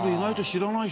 知らない。